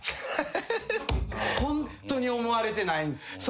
ホントに思われてないんです。